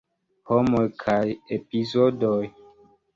Homoj kaj epizodoj.